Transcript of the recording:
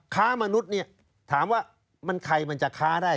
ค้ามนุษย์เนี่ยถามว่ามันใครมันจะค้าได้